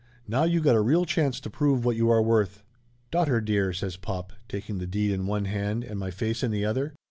Now you got a real chance to prove what you are worth." "Daughter dear!" says pop, taking the deed in one hand and my face in the other.